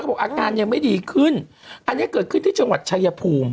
บอกอาการยังไม่ดีขึ้นอันนี้เกิดขึ้นที่จังหวัดชายภูมิ